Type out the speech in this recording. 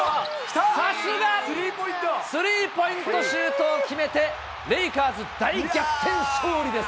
さすが、スリーポイントシュートを決めて、レイカーズ、大逆転勝利です。